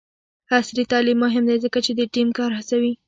عصري تعلیم مهم دی ځکه چې د ټیم کار هڅوي.